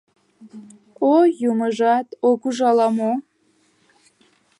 Ой, юмыжат ок уж ала-мо?..